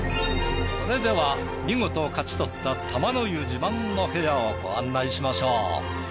それでは見事勝ち取った玉の湯自慢の部屋をご案内しましょう。